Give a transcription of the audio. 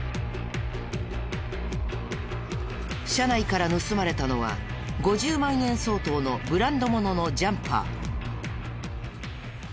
車内から盗まれたのは５０万円相当のブランド物のジャンパー。